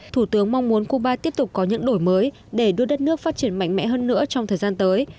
thủ tướng mong muốn cuba tiếp tục có những đổi mới để đưa đất nước phát triển mạnh mẽ hơn nữa trong thời gian tới